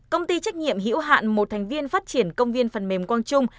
công ty trách nhiệm hữu hạn một thành viên phát triển công viên phần mềm quang trung